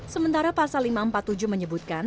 sementara pasal lima ratus empat puluh tujuh menyebutkan